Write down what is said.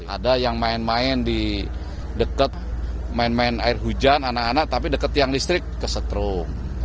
ada yang main main di dekat main main air hujan anak anak tapi dekat tiang listrik kesetruk